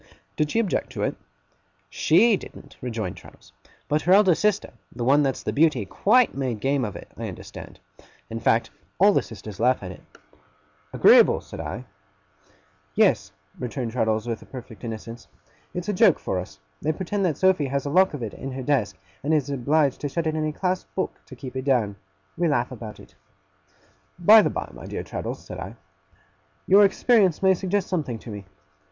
'Did she object to it?' 'SHE didn't,' rejoined Traddles; 'but her eldest sister the one that's the Beauty quite made game of it, I understand. In fact, all the sisters laugh at it.' 'Agreeable!' said I. 'Yes,' returned Traddles with perfect innocence, 'it's a joke for us. They pretend that Sophy has a lock of it in her desk, and is obliged to shut it in a clasped book, to keep it down. We laugh about it.' 'By the by, my dear Traddles,' said I, 'your experience may suggest something to me.